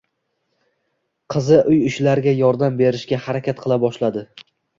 Qizi uy ishlariga yordam berishga harakat qila boshladi.